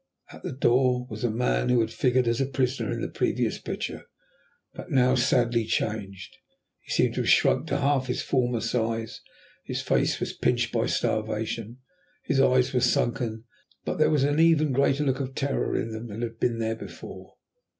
At the door was a man who had figured as a prisoner in the previous picture, but now sadly changed. He seemed to have shrunk to half his former size, his face was pinched by starvation, his eyes were sunken, but there was an even greater look of terror in them than had been there before.